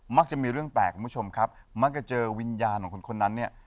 มักจะมีเรื่องแปลกคุณผู้ชมครับมักจะเจอวิญญาณของคนคนนั้นเนี่ย